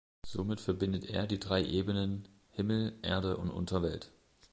Somit verbindet er die drei Ebenen Himmel, Erde und Unterwelt.